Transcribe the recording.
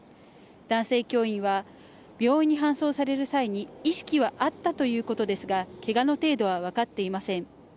男性教員は、病院に搬送される際に意識はあったということですが、けがの程度は分かっていません。